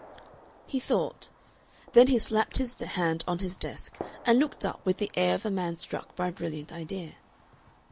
He thought. Then he slapped his hand on his desk and looked up with the air of a man struck by a brilliant idea.